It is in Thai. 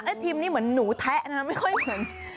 ทีมนี้เหมือนหนูแทะนะไม่ค่อยเหมือน